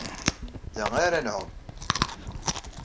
Da ara nɛum.